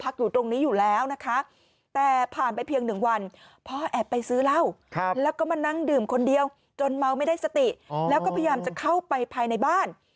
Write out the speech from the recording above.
เข้าไปภายในบ้าน